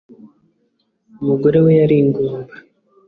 umugore we yari ingumba